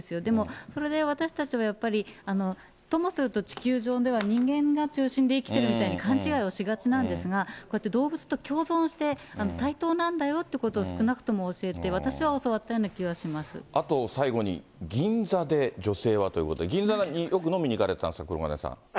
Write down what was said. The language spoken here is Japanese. でもそれで、私たちはやっぱり、ともすると、地球上では人間が中心で生きてるみたいに勘違いをしがちなんですが、こうやって動物と共存して、対等なんだよということを、少なくとも教えて、私はあと最後に、銀座で女性はということで、銀座によく飲みに行かれたんですか？